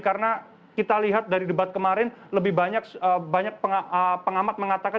karena kita lihat dari debat kemarin lebih banyak pengamat mengatakan